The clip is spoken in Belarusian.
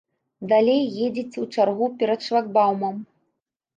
Далей едзеце ў чаргу перад шлагбаумам.